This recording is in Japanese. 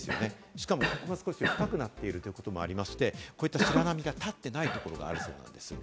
しかもここは少し深くなっているということもあって白波が立っていないところがあるそうなんです。